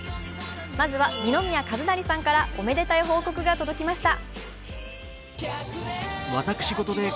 まずは二宮和也さんからおめでたい報告が届きました。